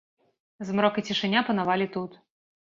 Змрок і цішыня панавалі тут.